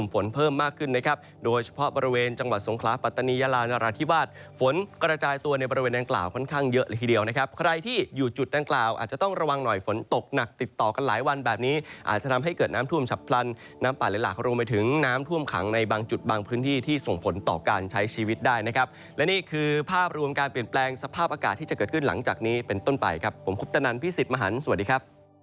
ฝนตกหนักติดต่อกันหลายวันแบบนี้อาจจะนำให้เกิดน้ำท่วมฉับพลันน้ำป่าเล็กรวมไปถึงน้ำท่วมขังในบางจุดบางพื้นที่ที่ส่งผลต่อการใช้ชีวิตได้นะครับและนี่คือภาพรวมการเปลี่ยนแปลงสภาพอากาศที่จะเกิดขึ้นหลังจากนี้เป็นต้นไปครับผมคุณตะนรพีศิษฐ์มหันท์สวั